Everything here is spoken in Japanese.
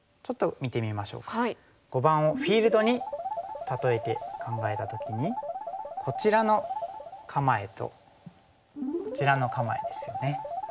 碁盤をフィールドに例えて考えた時にこちらの構えとこちらの構えですよね。